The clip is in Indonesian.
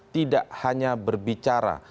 tidak hanya berbicara